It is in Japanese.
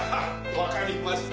わかりました。